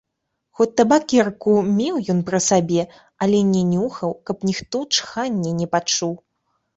Хоць табакерку меў ён пры сабе, але не нюхаў, каб ніхто чхання не пачуў.